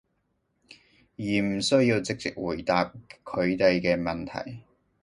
而唔需要直接回答佢哋嘅問題